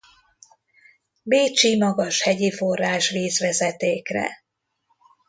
Bécsi Magashegyi Forrásvíz-vezetékre.